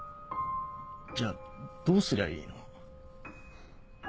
じゃあどうすりゃいいの？